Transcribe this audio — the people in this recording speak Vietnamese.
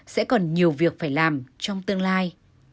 sẽ còn nhiều việc phải làm trong tương lai